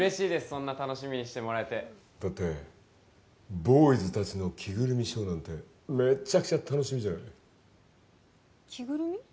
そんな楽しみにしてもらえてだってボーイズ達の着ぐるみショーなんてめっちゃくちゃ楽しみじゃない着ぐるみ？